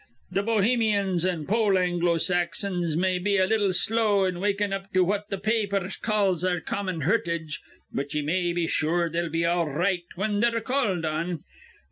Th' Bohemians an' Pole Anglo Saxons may be a little slow in wakin' up to what th' pa apers calls our common hurtage, but ye may be sure they'll be all r right whin they're called on.